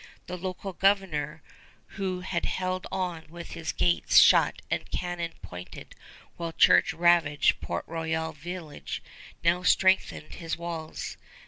The local Governor, who had held on with his gates shut and cannon pointed while Church ravaged Port Royal village, now strengthened his walls.